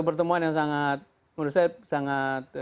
pertemuan yang sangat menurut saya sangat